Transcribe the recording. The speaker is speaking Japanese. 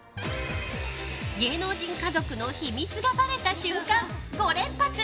芸能人家族の秘密がバレた瞬間５連発。